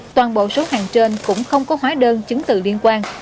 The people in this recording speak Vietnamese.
toàn bộ số hàng trên cũng không có hóa đơn chứng từ liên quan